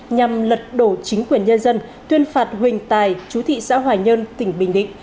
nhằm lật đổ chính quyền nhân dân tuyên phạt huỳnh tài chú thị xã hòa nhân tỉnh bình định